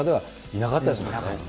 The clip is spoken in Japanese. いなかったですね。